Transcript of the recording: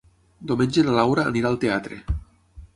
Diumenge na Laura anirà al teatre.